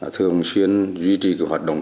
thường xuyên duy trì hoạt động